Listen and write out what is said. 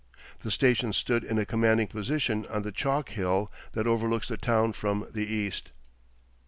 The station stood in a commanding position on the chalk hill that overlooks the town from the east....